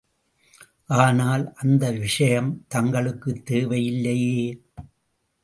ஆனால் அந்த விஷயம் தங்களுக்குத் தேவையில்லையே.